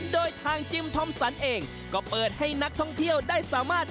โดยทางจิมทอมสันเองก็เปิดให้นักท่องเที่ยวได้สามารถ